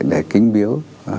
để kính biếu